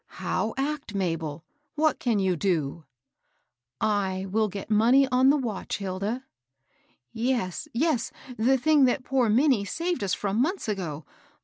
" How act, Mabel ? What can you do ?"" I will get money on the watch, Hilda." " Yes, yes ; the thing that poor Minnie saved us from months ago!